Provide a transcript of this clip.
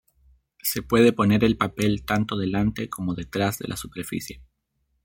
Se puede poner el papel tanto delante como detrás de la superficie.